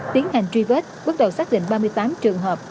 tiến hành truy vết bước đầu xác định ba mươi tám trường hợp